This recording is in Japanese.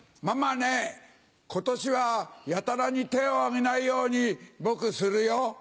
ママね今年はやたらに手を挙げないように僕するよ。